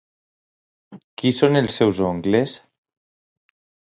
Qui són els seus oncles?